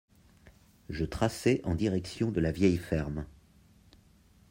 Je traçai en direction de la vieille ferme.